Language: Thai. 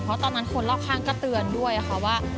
เพราะตอนนั้นคนรอบข้างก็เตือนด้วยค่ะว่า